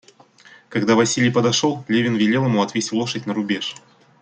Когда Василий подошел, Левин велел ему отвесть лошадь на рубеж.